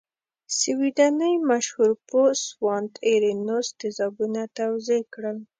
سویډنۍ مشهور پوه سوانت ارینوس تیزابونه توضیح کړل.